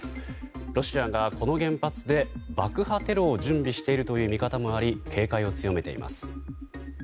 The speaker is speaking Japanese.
ロシアがこの原発で爆破テロを準備しているという見方もあり警戒を強めています。